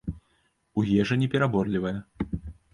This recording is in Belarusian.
У ежы не пераборлівая.